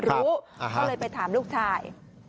เขาเลยไปถามลูกชาย